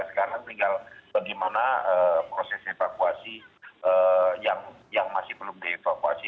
sekarang tinggal bagaimana proses evakuasi yang masih belum dievakuasi